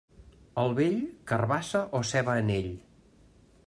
Al vell, carabassa o ceba en ell.